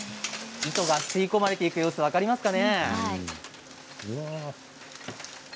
糸が吸い込まれていく様子分かりますかね。